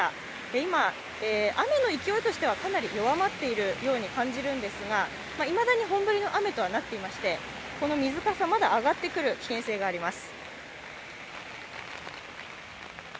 今、雨の勢いとしてはかなり弱まっているように感じるんですがいまだに本降りの雨となっていまして水かさ、まだ上がってくる危険性があります。